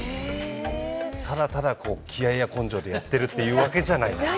ただただこう気合いや根性でやってるっていうわけじゃないんです。